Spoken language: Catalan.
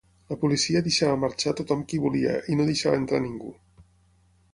La policia deixava marxar tothom qui volia i no deixava entrar ningú.